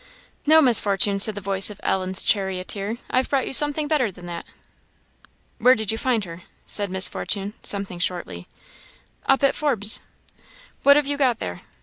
"No, Miss Fortune," said the voice of Ellen's charioteer, "I've brought you something better than that." "Where did you find her?" said Miss Fortune, something shortly. "Up at Forbes's." "What have you got there?"